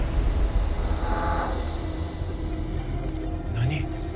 何？